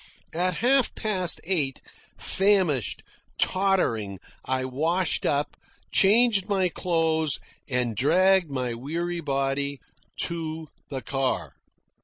At half past eight, famished, tottering, I washed up, changed my clothes, and dragged my weary body to the car.